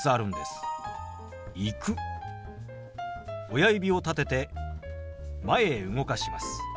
親指を立てて前へ動かします。